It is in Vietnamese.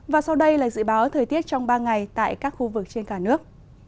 và sau đây là dự báo thời tiết trong ba ngày tại các khu vực trên cả nước